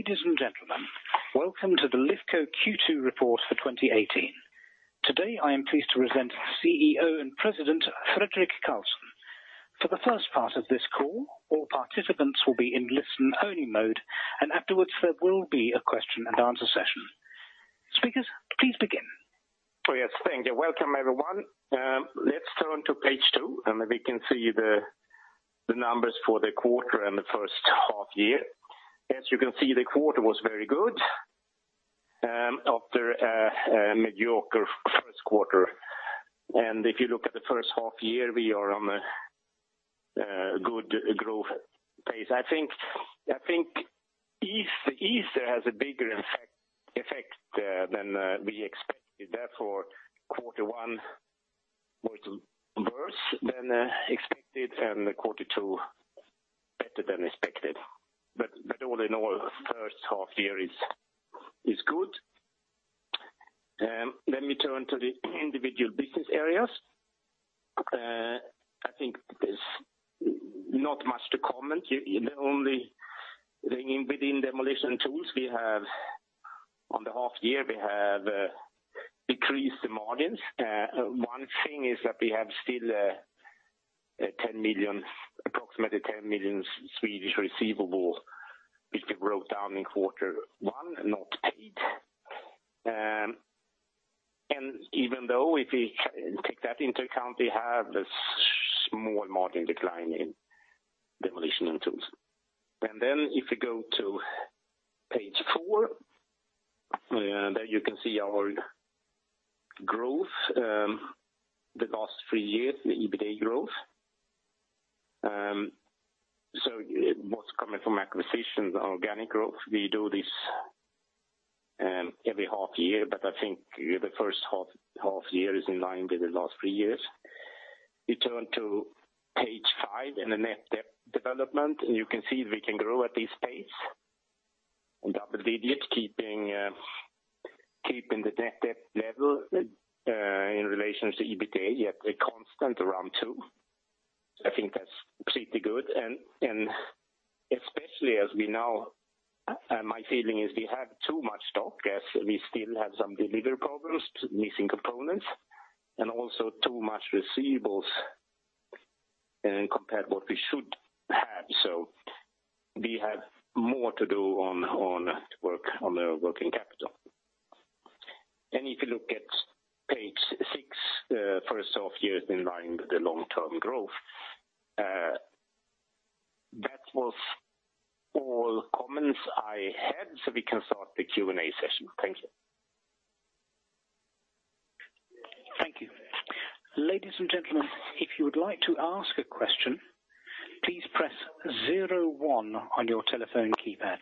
Ladies and gentlemen, welcome to the Lifco Q2 report for 2018. Today, I am pleased to present CEO and President, Fredrik Karlsson. For the first part of this call, all participants will be in listen only mode. Afterwards there will be a question and answer session. Speakers, please begin. Oh, yes. Thank you. Welcome everyone. Let's turn to page two. We can see the numbers for the quarter and the first half year. As you can see, the quarter was very good, after a mediocre first quarter. If you look at the first half year, we are on a good growth pace. I think Easter has a bigger effect than we expected, therefore quarter one was worse than expected and quarter two better than expected. All in all, the first half year is good. Let me turn to the individual business areas. I think there's not much to comment. Only within Demolition & Tools, on the half year, we have decreased the margins. One thing is that we have still approximately 10 million receivable, which we wrote down in quarter one, not paid. Even though if we take that into account, we have a small margin decline in Demolition & Tools. If you go to page four, there you can see our growth, the last three years, the EBITA growth. What's coming from acquisitions, organic growth, we do this every half year, but I think the first half year is in line with the last three years. You turn to page five in the net debt development. You can see we can grow at this pace and obviously it's keeping the net debt level in relation to EBITA, yet a constant around two. I think that's completely good, especially as we now. My feeling is we have too much stock as we still have some delivery problems, missing components, and also too much receivables compared to what we should have. We have more to do on the working capital. If you look at page six, first half year is in line with the long-term growth. That was all comments I had. We can start the Q&A session. Thank you. Thank you. Ladies and gentlemen, if you would like to ask a question, please press zero one on your telephone keypads.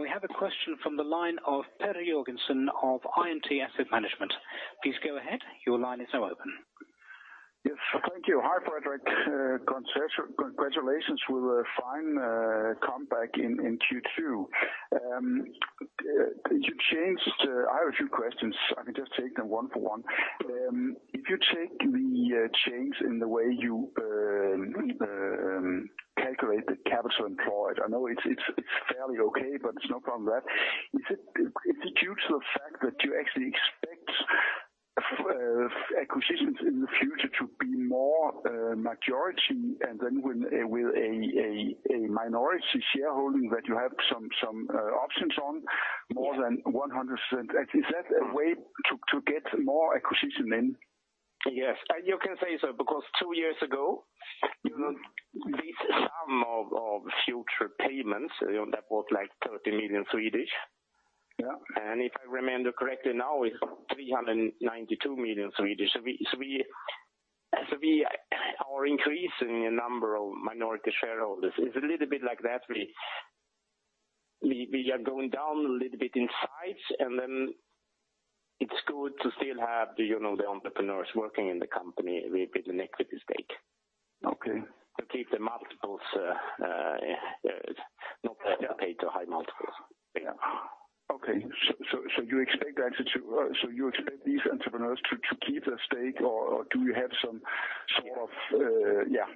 We have a question from the line of Perry Jørgensen of INT Asset Management. Please go ahead. Your line is now open. Yes. Thank you. Hi, Fredrik. Congratulations with a fine comeback in Q2. I have a few questions. I can just take them one for one. If you take the change in the way you calculate the capital employed, I know it's fairly okay, but it's not from that. Is it due to the fact that you actually expect acquisitions in the future to be more majority and then with a minority shareholding that you have some options on more than 100%? Is that a way to get more acquisition in? Yes. You can say so, because two years ago, this sum of future payments, that was like 30 million. Yeah. If I remember correctly, now it's 392 million. Our increase in the number of minority shareholders is a little bit like that. We are going down a little bit in size, and then it's good to still have the entrepreneurs working in the company with an equity stake. Okay. To keep the multiples, not pay too high multiples. Yeah. Okay. You expect these entrepreneurs to keep their stake or do you have some sort of Yeah.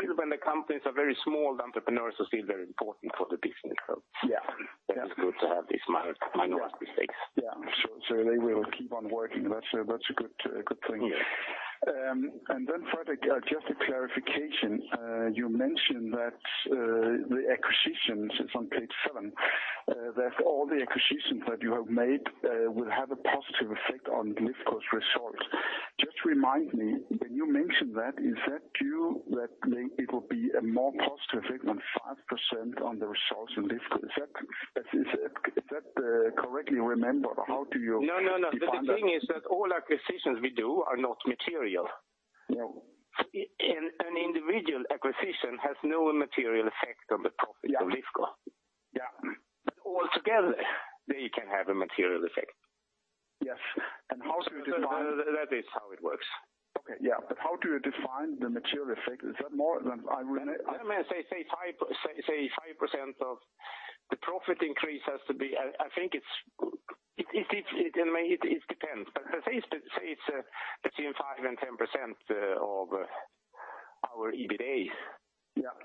Even when the companies are very small, the entrepreneurs are still very important for the business. Yeah. It is good to have these minority stakes. They will keep on working. That's a good thing. Yes. Fredrik, just a clarification. You mentioned that the acquisitions is on page seven, that all the acquisitions that you have made will have a positive effect on Lifco's results. Just remind me, when you mention that, is that due that it will be a more positive effect than 5% on the results in Lifco? Is that correctly remembered or how do you define that? No. The thing is that all acquisitions we do are not material. No. An individual acquisition has no material effect on the profit of Lifco. Yeah. All together, they can have a material effect. Yes. How do you define- That is how it works. Okay. Yeah. How do you define the material effect? Is that more than I- I may say 5% of the profit increase has to be, I think it depends, but say it's between 5% and 10% of our EBITA. Yeah.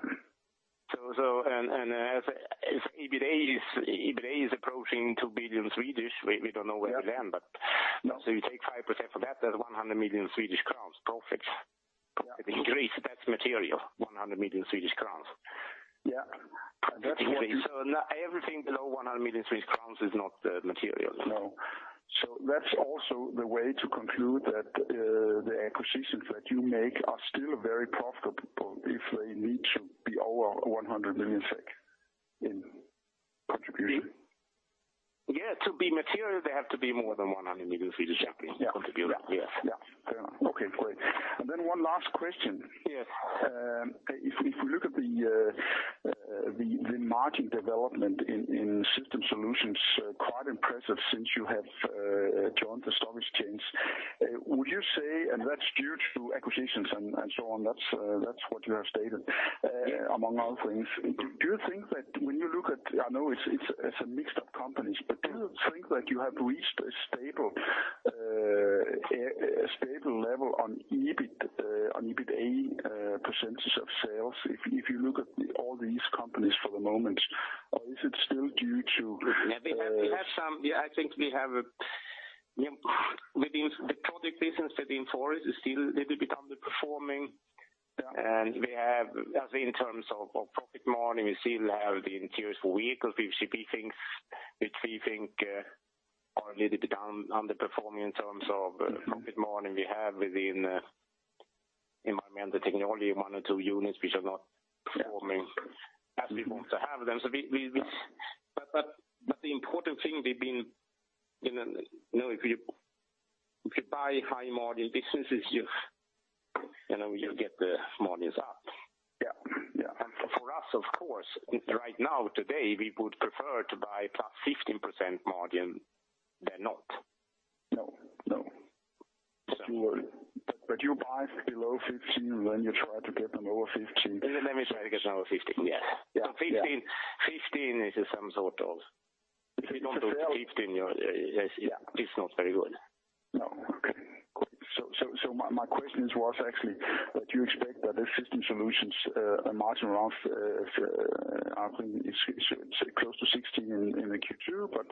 As EBITA is approaching 2 billion, we don't know where to land, you take 5% of that's 100 million Swedish crowns profit increase. That's material, 100 million Swedish crowns. Yeah. Everything below 100 million Swedish crowns is not material. No. That's also the way to conclude that the acquisitions that you make are still very profitable if they need to be over 100 million SEK in contribution. Yeah. To be material, they have to be more than 100 million in contribution. Yes. Yeah. Fair enough. Okay, great. One last question. Yes. If we look at the margin development in Systems Solutions, quite impressive since you have joined the storage teams. Would you say, and that's due to acquisitions and so on, that's what you have stated among other things. Do you think that when you look at, I know it's a mix of companies, but do you think that you have reached a stable level on EBITA % of sales if you look at all these companies for the moment, or is it still due to- Yeah, I think we have within the project business that in Forest is still a little bit underperforming. Yeah. We have, as in terms of profit margin, we still have the interiors for vehicles, VCP things, which we think are a little bit underperforming in terms of profit margin we have within Environmental Technology in one or two units which are not performing as we want to have them. The important thing within if you buy high margin businesses, you'll get the margins up. Yeah. For us, of course, right now, today, we would prefer to buy plus 15% margin than not. No. You buy below 15%, then you try to get them over 15? Let me try to get over 15, yes. Yeah. 15 is some sort of If you don't do 15, it's not very good. No. Okay, great. My question was actually that you expect that the Systems Solutions margin around is close to 16% in the Q2, but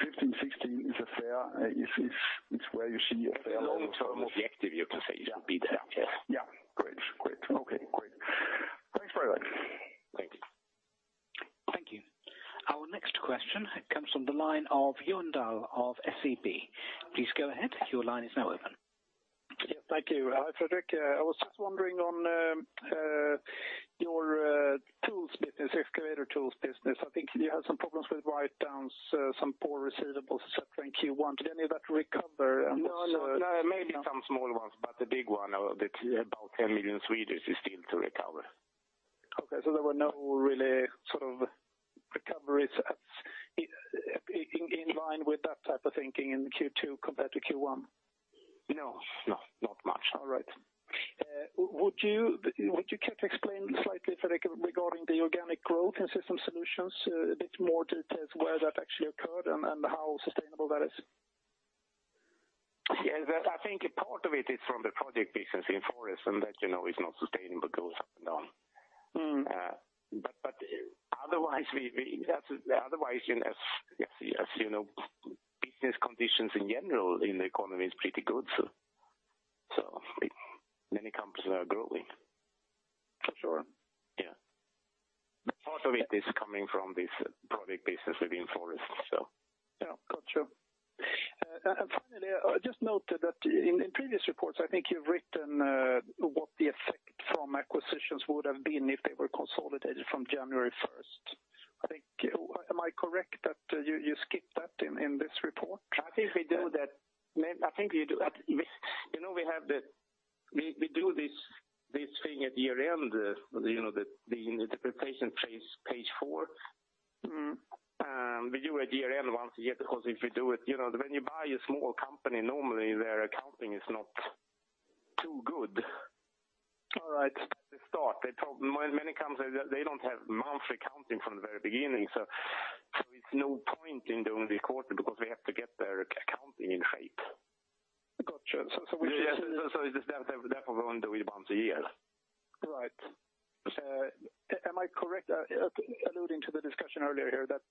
15%-16% is where you see a fair long-term. The objective, you can say, is to be there. Yes. Yeah. Great. Okay, great. Thanks very much. Thank you. Thank you. Our next question comes from the line of Johan Dahl of SEB. Please go ahead, your line is now open. Yes. Thank you. Hi, Fredrik. I was just wondering on your tools business, excavator tools business, I think you had some problems with write-downs, some poor receivables, et cetera, in Q1. Did any of that recover? No, maybe some small ones, but the big one of about 10 million is still to recover. Okay. There were no really sort of recoveries in line with that type of thinking in Q2 compared to Q1? No. Not much. All right. Would you care to explain slightly, Fredrik, regarding the organic growth in Systems Solutions a bit more to where that actually occurred and how sustainable that is? Yeah. I think part of it is from the project business in Forest, and that is not sustainable, goes up and down. Otherwise, as you know, business conditions in general in the economy is pretty good, so many companies are growing. For sure. Yeah. Part of it is coming from this project business within Forest. Yeah. Got you. Finally, I just noted that in previous reports, I think you've written what the effect from acquisitions would have been if they were consolidated from January 1st. Am I correct that you skipped that in this report? I think we do that. We do this thing at year-end, the interpretation page four. We do at year-end once a year because if you do it, when you buy a small company normally their accounting is not too good. All right. At the start. Many companies, they don't have monthly accounting from the very beginning, so it's no point in doing the quarter because we have to get their accounting in shape. Got you. It is therefore only once a year. Right. Am I correct, alluding to the discussion earlier here, that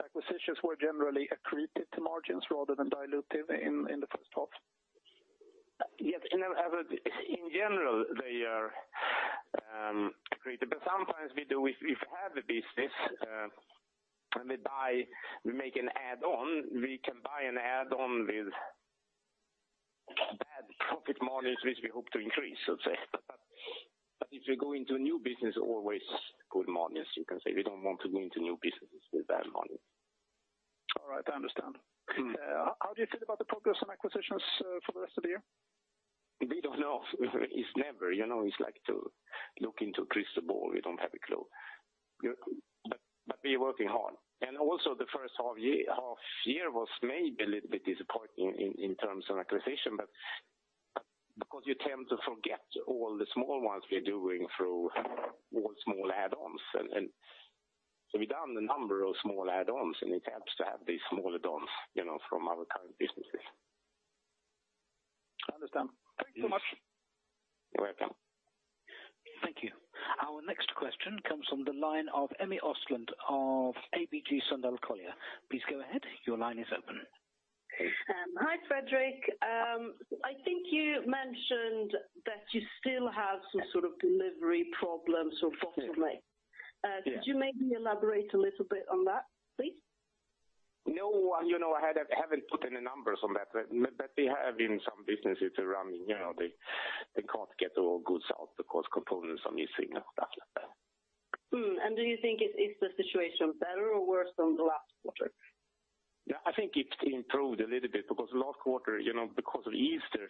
acquisitions were generally accretive to margins rather than dilutive in the first half? Yes. In general, they are accretive, but sometimes we do, if we have a business and we buy, we make an add-on, we can buy an add-on with bad profit margins which we hope to increase, so to say. If we go into new business, always good margins, you can say. We don't want to go into new businesses with bad margin. All right. I understand. How do you feel about the progress on acquisitions for the rest of the year? We don't know. It's never, it's like to look into a crystal ball. We don't have a clue. We're working hard. The first half year was maybe a little bit disappointing in terms of acquisition, because you tend to forget all the small ones we are doing through all small add-ons. We've done a number of small add-ons, and it helps to have these small add-ons from our current businesses. I understand. Thank you so much. You're welcome. Thank you. Our next question comes from the line of Emmy Östlund of ABG Sundal Collier. Please go ahead. Your line is open. Hi, Fredrik. I think you mentioned that you still have some sort of delivery problems or bottleneck. Yes. Could you maybe elaborate a little bit on that, please? I haven't put any numbers on that. We have in some businesses running, they can't get all goods out because components are missing and stuff like that. Do you think, is the situation better or worse than the last quarter? I think it's improved a little bit because last quarter, because of Easter,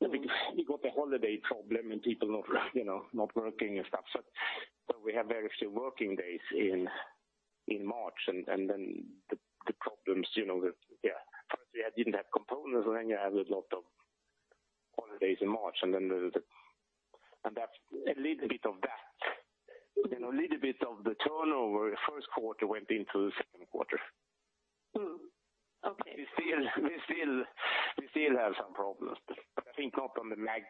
we got the holiday problem and people are not working and stuff. We have very few working days in March, and then the problems with First, we didn't have components, and then you have a lot of holidays in March, and a little bit of that. A little bit of the turnover first quarter went into the second quarter. Okay. We still have some problems, I think not the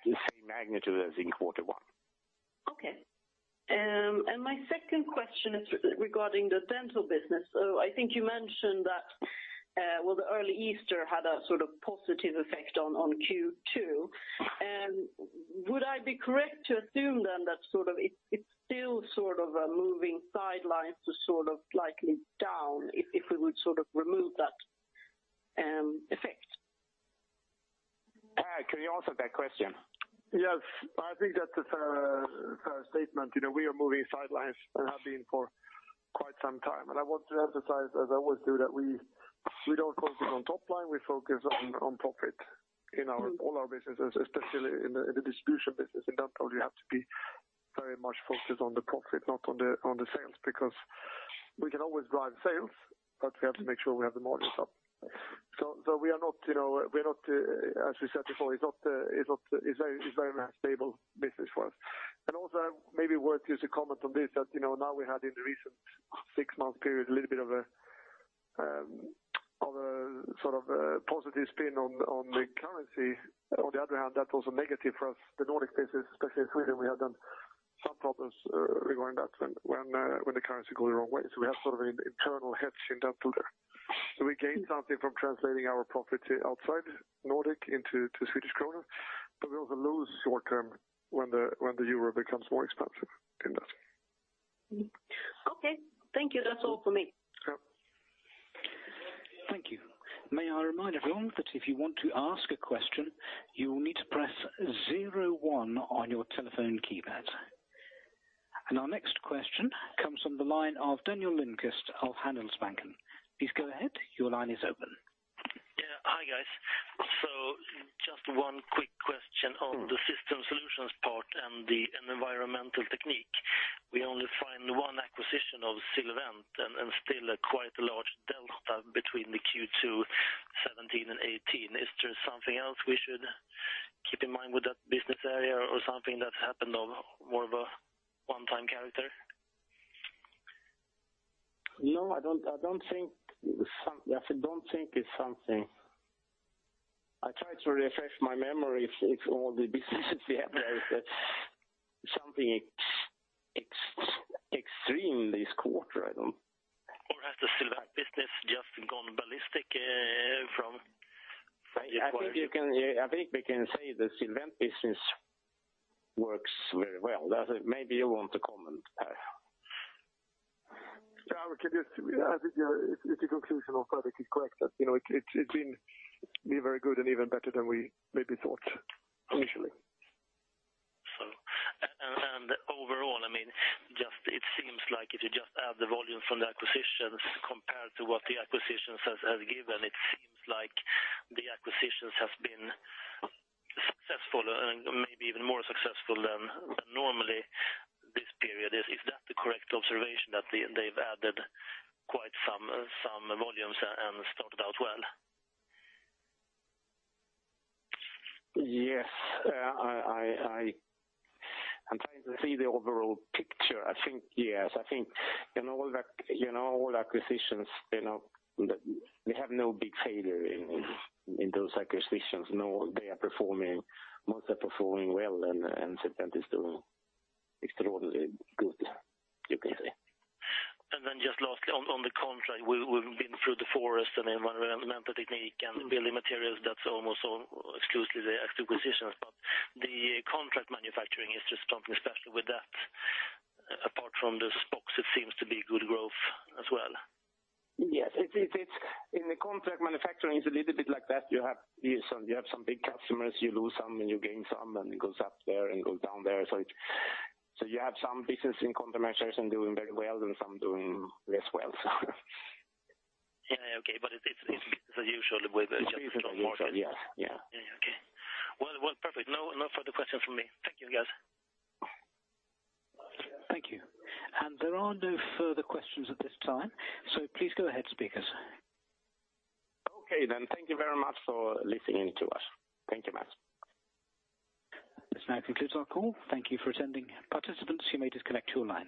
same magnitude as in quarter one. Okay. My second question is regarding the dental business. I think you mentioned that, well, the early Easter had a sort of positive effect on Q2. Would I be correct to assume that it's still sort of a moving sideline to sort of likely down if we would sort of remove that effect? Per, can you answer that question? Yes, I think that's a fair statement. We are moving sidelines and have been for quite some time. I want to emphasize, as I always do, that we don't focus on top line, we focus on profit in all our businesses, especially in the distribution business. In dental, you have to be very much focused on the profit, not on the sales, because we can always drive sales, but we have to make sure we have the margin up. We are not, as we said before, it's a very stable business for us. Also maybe worth just to comment on this, that now we had in the recent six-month period a little bit of a sort of a positive spin on the currency. On the other hand, that was a negative for us, the Nordic business, especially in Sweden, we have done some problems regarding that when the currency go the wrong way. We have sort of an internal hedge in dental there. We gain something from translating our profit outside Nordic into Swedish krona, but we also lose short term when the EUR becomes more expensive in that. Okay. Thank you. That's all for me. Sure. Thank you. May I remind everyone that if you want to ask a question, you will need to press 01 on your telephone keypad. Our next question comes from the line of Daniel Lindkvist of Handelsbanken. Please go ahead. Your line is open. Yeah. Hi, guys. Just one quick question on the Systems Solutions part and the Environmental Technology. We only find one acquisition of Silvent and still a quite large delta between the Q2 2017 and 2018. Is there something else we should keep in mind with that business area or something that's happened of more of a one-time character? No, I don't think it's something I try to refresh my memory if all the businesses we have there that's something extreme this quarter, I don't Has the Silvent business just gone ballistic from the acquiring? I think we can say the Silvent business works very well. Maybe you want to comment, Per. I think your conclusion of product is correct, that it's been very good and even better than we maybe thought initially. Overall, it seems like if you just add the volume from the acquisitions compared to what the acquisitions has given, it seems like the acquisitions has been successful and maybe even more successful than normally this period. Is that the correct observation that they've added quite some volumes and started out well? Yes. I'm trying to see the overall picture. I think, yes. I think all acquisitions, we have no big failure in those acquisitions. Most are performing well, and Silvent is doing extraordinarily good, you can say. Just lastly, on the contract, we've been through the Forest and Environmental Technology and building materials, that's almost exclusively the acquisitions. The Contract Manufacturing is just something special with that. Apart from the spokes, it seems to be good growth as well. Yes. In the Contract Manufacturing it's a little bit like that. You have some big customers, you lose some, and you gain some, and it goes up there and goes down there. You have some business in Contract Manufacturing doing very well and some doing less well. Yeah. Okay, it's as usual with just strong market. As usual, yes. Yeah. Okay. Well, perfect. No further questions from me. Thank you, guys. Thank you. There are no further questions at this time, please go ahead, speakers. Okay. Thank you very much for listening in to us. Thank you, Per. This now concludes our call. Thank you for attending. Participants, you may disconnect your lines.